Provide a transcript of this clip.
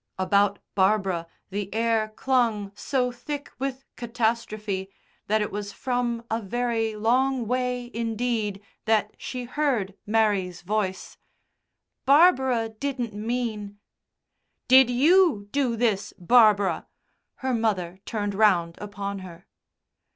About Barbara the air clung so thick with catastrophe that it was from a very long way indeed that she heard Mary's voice: "Barbara didn't mean " "Did you do this, Barbara?" her mother turned round upon her.